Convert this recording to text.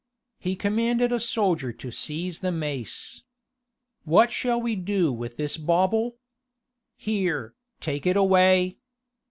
He commanded a soldier to seize the mace. "What shall we do with this bauble? Here, take it away.